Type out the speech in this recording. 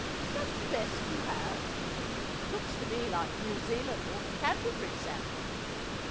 Is that the best you have? It looks to me like New Zealand or Canterbury salmon!